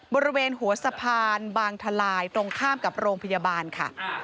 บริเวณหัวสะพานบางทลายตรงข้ามกับโรงพยาบาลค่ะ